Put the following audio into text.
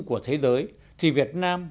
của thế giới thì việt nam